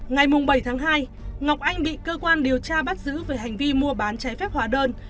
ngày bảy tháng hai ngọc anh bị cơ quan điều tra bắt giữ về hành vi mua bán trái phép hóa đơn